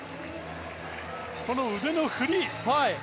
この腕の振り。